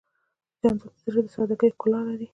جانداد د زړه د سادګۍ ښکلا لري.